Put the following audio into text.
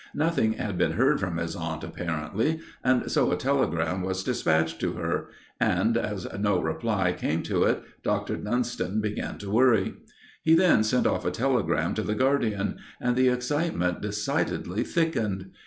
Nothing had been heard from his aunt, apparently, and so a telegram was dispatched to her, and, as no reply came to it, Dr. Dunston began to worry. He then sent off a telegram to the guardian, and the excitement decidedly thickened.